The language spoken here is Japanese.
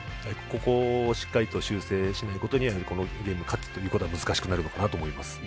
ここをしっかりと修正しないことにはこのゲームを勝つことは難しくなるのかなと思います。